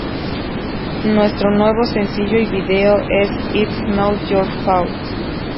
Nuestro nuevo sencillo y video es 'It's Not Your Fault'.